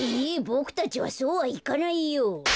ボクたちはそうはいかないよ。